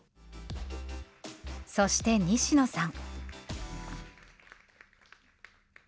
そして西野さん。